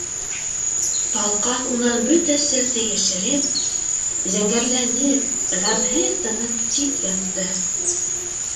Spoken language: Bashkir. Талҡаҫ унан бөтә серҙе йәшереп, зәңгәрләнеп, ғәмһеҙ тынып тик ятты.